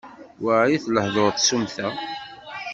Weɛrit lehdur n tsumta.